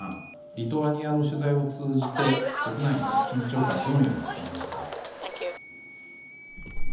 リトアニアの取材を通じて国内の緊張感をどのように感じましたか？